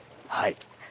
はい。